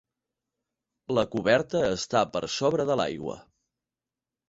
La coberta està per sobre de l'aigua.